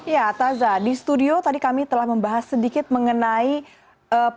ya taza di studio tadi kami telah membahas sedikit mengenai proses